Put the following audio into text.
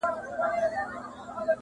خلک عادي ژوند ته ستنېږي ورو,